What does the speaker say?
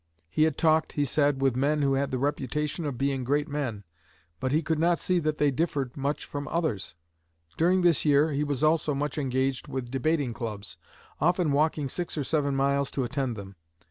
He had talked, he said, with men who had the reputation of being great men, but he could not see that they differed much from others. During this year he was also much engaged with debating clubs, often walking six or seven miles to attend them.